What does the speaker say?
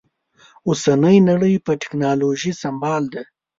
اوسنۍ نړۍ په ټکنالوژي سمبال ده